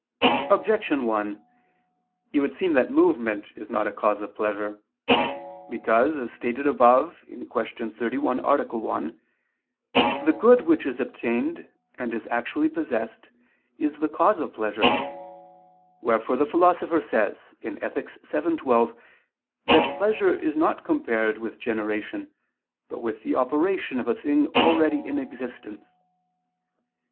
Objection 1: It would seem that movement is not a cause of pleasure. Because, as stated above (Q. 31, A. 1), the good which is obtained and is actually possessed, is the cause of pleasure: wherefore the Philosopher says (Ethic. vii, 12) that pleasure is not compared with generation, but with the operation of a thing already in existence.